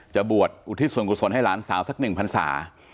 จะบวชอุทิศส่วนกุศลให้หลานสาวสัก๑พันศา